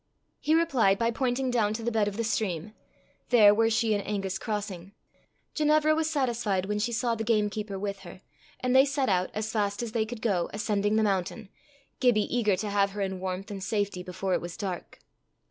He replied by pointing down to the bed of the stream: there were she and Angus crossing. Ginevra, was satisfied when she saw the gamekeeper with her, and they set out, as fast as they could go, ascending the mountain, Gibbie eager to have her in warmth and safety before it was dark.